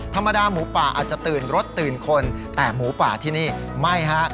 ธรรมดาหมูป่าอาจจะตื่นรถตื่นคนแต่หมูป่าที่นี่ไม่ฮะ